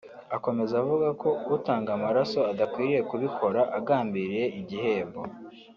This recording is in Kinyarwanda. Akomeza avuga ko utanga amaraso adakwiriye kubikora agambiriye igihembo